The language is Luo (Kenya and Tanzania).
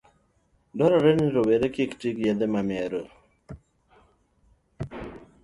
Dwarore ni rowere kik ti gi yedhe mamero, kong'o, koda ndawa